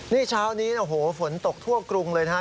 นี่เช้านี้ฝนตกทั่วกรุงเลยนะ